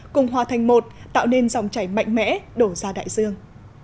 cùng hòa thành một tạo nên dòng chảy mạnh mẽ đổ ra đại dương